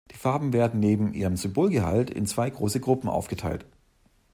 Die Farben werden, neben ihrem Symbolgehalt, in zwei große Gruppen aufgeteilt.